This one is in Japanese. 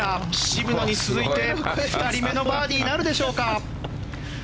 渋野に続いて２人目のバーディーなるでしょうか。